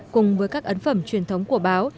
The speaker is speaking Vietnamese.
cùng với các ấn phẩm truyền thống của báo